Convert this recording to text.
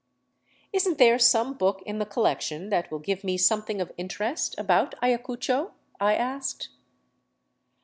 Is n't there some book in the collection that will give me something of interest about Ayacucho ?" I asked.